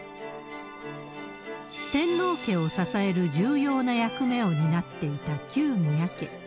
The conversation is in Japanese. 天皇家を支える重要な役目を担っていた旧宮家。